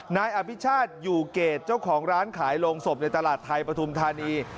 นายอภิชาติอยู่เกรดเจ้าของร้านขายโรงศพในตลาดไทยปฐุมธานี